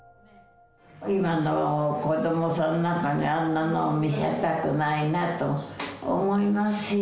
今の子どもさんなんかに、あんなのを見せたくないなと思いますよ。